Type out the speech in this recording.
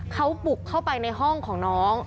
เขาบุกเข้าไปในห้องของน้อง